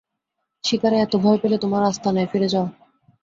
শিকারে এতো ভয় পেলে, তোমার আস্তানায় ফিরে যাও।